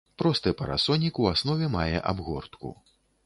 Просты парасонік у аснове мае абгортку.